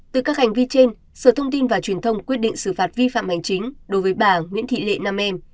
từ các hành vi trên sở thông tin và truyền thông quyết định xử phạt vi phạm hành chính đối với bà nguyễn thị lệ nam em